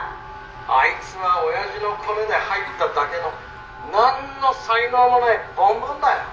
アイツは親父のコネで入っただけの何の才能も無いボンボンだよ！